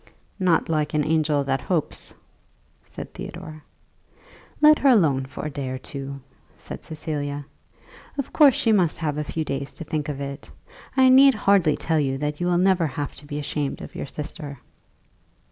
"Not like an angel that hopes?" said Theodore. "Let her alone for a day or two," said Cecilia. "Of course she must have a few days to think of it. I need hardly tell you that you will never have to be ashamed of your sister."